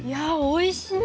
おいしい！